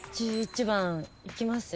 １１番いきます？